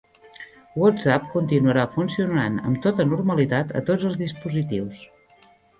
WhatsApp continuarà funcionant amb tota normalitat a tots els dispositius